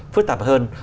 phức tạp hơn